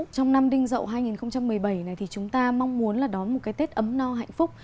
trong năm đinh dậu hai nghìn một mươi bảy này thì chúng ta mong muốn là đón một cái tết ấm no hạnh phúc